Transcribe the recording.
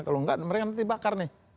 kalau enggak mereka nanti bakar nih